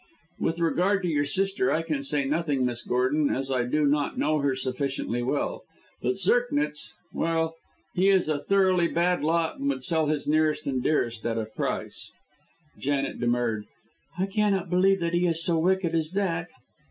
"With regard to your sister I can say nothing, Miss Gordon, as I do not know her sufficiently well; but Zirknitz well, he is a thoroughly bad lot, and would sell his nearest and dearest at a price." Janet demurred. "I cannot believe that he is so wicked as that!"